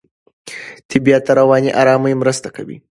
طبیعت د رواني آرامۍ مرسته کوي.